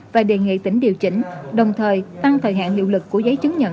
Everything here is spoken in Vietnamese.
và đề nghị tỉnh điều chỉnh đồng thời tăng thời hạn hiệu lực của giấy chứng nhận